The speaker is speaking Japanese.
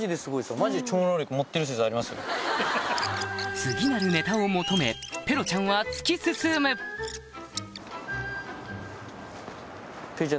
次なるネタを求めペロちゃんは突き進むペロちゃん